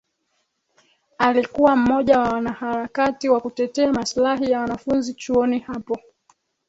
Alikuwa mmoja wa wanaharakati wa kutetea maslahi ya wanafunzi chuoni hapo